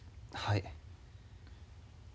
はい。